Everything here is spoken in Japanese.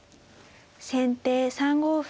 先手３五歩。